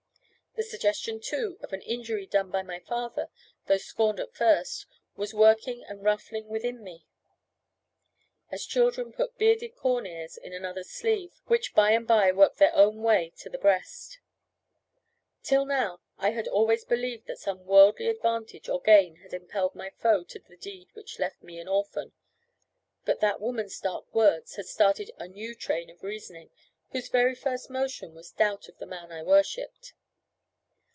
The suggestion, too, of an injury done by my father, though scorned at first, was working and ruffling within me, as children put bearded corn ears in another's sleeve, which by and by work their own way to the breast. Till now, I had always believed that some worldly advantage or gain had impelled my foe to the deed which left me an orphan. But that woman's dark words had started a new train of reasoning, whose very first motion was doubt of the man I worshipped.